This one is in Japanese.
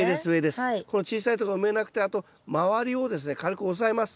この小さいとこは埋めなくてあと周りをですね軽く押さえます。